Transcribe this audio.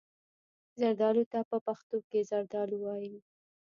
زردالو ته په پښتو کې زردالو وايي.